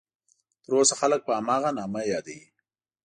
تر اوسه خلک په هماغه نامه یادوي.